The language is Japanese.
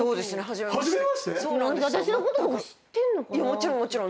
もちろんもちろん。